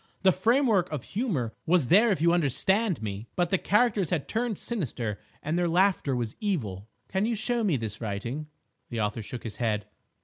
The framework of humour was there, if you understand me, but the characters had turned sinister, and their laughter was evil." "Can you show me this writing?" The author shook his head.